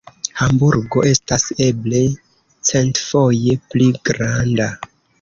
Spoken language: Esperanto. Hamburgo estas eble centfoje pli granda.